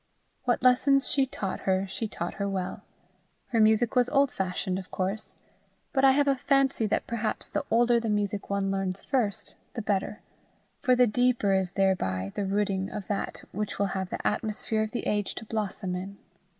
What lessons she taught her she taught her well. Her music was old fashioned, of course; but I have a fancy that perhaps the older the music one learns first, the better; for the deeper is thereby the rooting of that which will have the atmosphere of the age to blossom in.